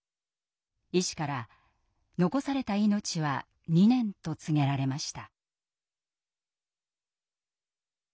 医師から残された命は２年と告げられました。